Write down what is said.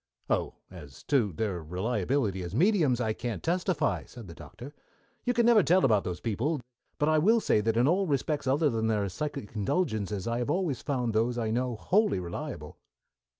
"Oh, as to their reliability as mediums I can't testify," said the Doctor. "You never can tell about those people, but I will say that in all respects other than their psychic indulgences I have always found those I know wholly reliable."